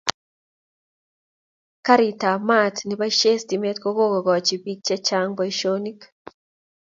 Karit ab maat neboishee stimet kokikokoch bik che chang boishonik